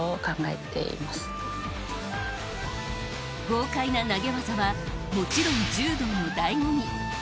豪快な投げ技はもちろん柔道の醍醐味。